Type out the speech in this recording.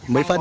mấy phân á